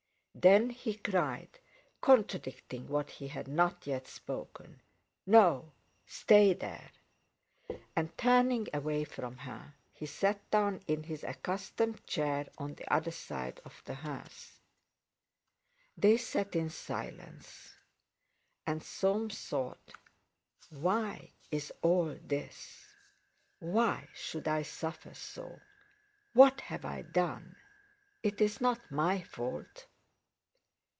Then he cried, contradicting what he had not yet spoken, "No; stay there!" And turning away from her, he sat down in his accustomed chair on the other side of the hearth. They sat in silence. And Soames thought: "Why is all this? Why should I suffer so? What have I done? It is not my fault!"